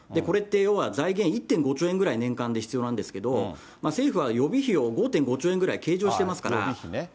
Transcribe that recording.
これって、要は財源１．５兆円ぐらい年間で必要なんですけど、政府は予備費を５．５兆円ぐらい計上してますから。